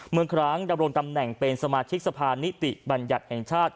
เมืองครั้งดำรงตำแหน่งเป็นสมาชิกสภานิติบัญญัติแห่งชาติ